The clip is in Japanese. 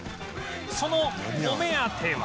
そのお目当ては